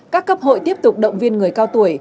các cấp hội tiếp tục động viên người cao tuổi